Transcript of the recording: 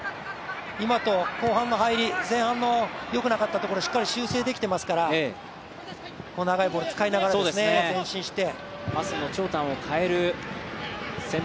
今と後半の入り前半のよくなかったところしっかり修正できていますから長いボール使いながら前進して。